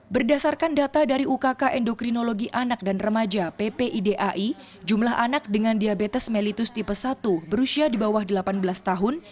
berdasarkan data dari ukk endokrinologi anak dan remaja ppidai jumlah anak dengan diabetes mellitus tipe satu berusia di bawah delapan belas tahun